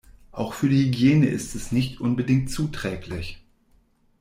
Auch für die Hygiene ist es nicht unbedingt zuträglich.